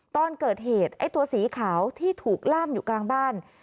ตอนเกิดเหตุไอ้ตัวสีขาวที่ถูกล่ามอยู่กลางบ้าน